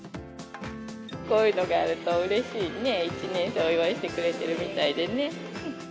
こういうのがあるとうれしいね、１年生お祝いしてくれてるみたいでね。